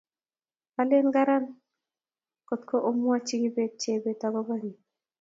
alen karan kotko mawoch kibet jebet akobo nii